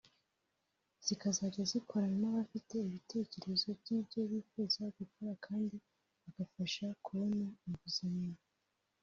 zikazajya zikorana n’abafite ibitegerezo by’ibyo bifuza gukora kandi bagafasha kubona inguzanyo